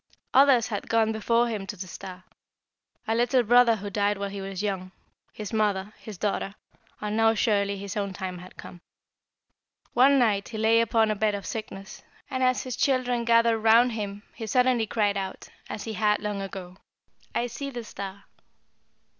Others had gone before him to the star. A little brother who died while he was young his mother his daughter and now surely his own time had come. "One night he lay upon a bed of sickness, and as his children gathered around him he suddenly cried out, as he had long ago, 'I see the star.'